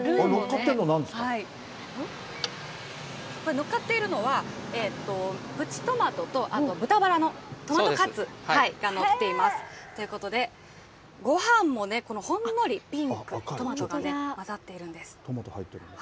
のっかっているのは、プチトマトと、あと豚ばらのトマトカツがのっています。ということで、ごはんもほんのりピンク、トマト入ってるんだ。